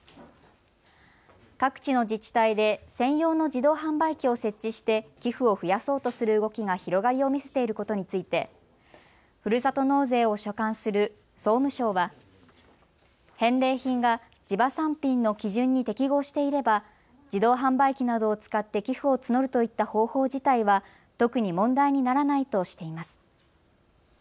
各地の自治体で専用の自動販売機を設置して寄付を増やそうとする動きが広がりを見せていることについてふるさと納税を所管する総務省は返礼品が地場産品の基準に適合していれば自動販売機などを使って寄付を募るといった方法自体は特に問題にならないとしています。